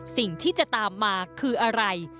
สิ่งที่จะตามมาคืออะไร